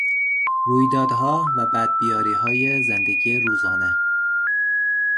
رویدادها و بدبیاریهای زندگی روزانه